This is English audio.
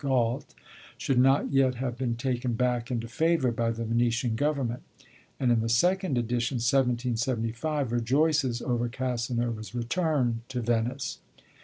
Galt' should not yet have been taken back into favour by the Venetian government, and in the second edition, 1775, rejoices over Casanova's return to Venice.